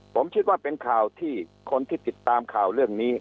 ผมคิดว่าเป็นข่าวที่คนที่ติดตามข่าวเรื่องนี้